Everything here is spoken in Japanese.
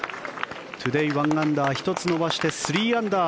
トゥデー１アンダー１つ伸ばして３アンダー。